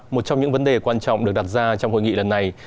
một trong những vấn đề quan trọng được đặt ra trong hội nghị lần này